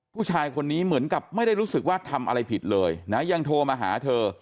ผู้ชายคนนี้เหมือนกับไม่ได้รู้สึกว่าทำอะไรผิดเลยนะยังโทรมาหาเธอ